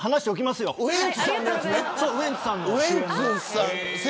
ウエンツさんのやつね。